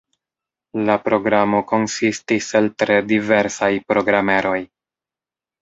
La programo konsistis el tre diversaj programeroj.